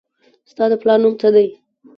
ستا د پلار نوم څه دي